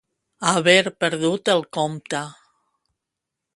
Haver perdut el compte.